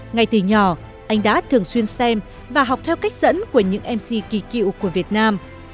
ngay từ nhỏ anh đã thường xuyên xem và học theo cách dẫn của những mc kỳ cựu của việt nam